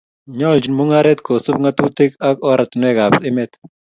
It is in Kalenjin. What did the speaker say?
Nyoljin mungaret kosub ng'atutik ak ortinuekab emet